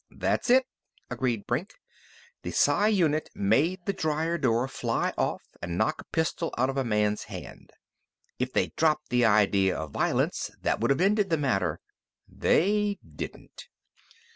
"That's it," agreed Brink. "The psi unit made the dryer door fly off and knock a pistol out of a man's hand. If they'd dropped the idea of violence, that would have ended the matter. They didn't."